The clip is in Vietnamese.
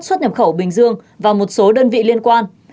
xuất nhập khẩu bình dương và một số đơn vị liên quan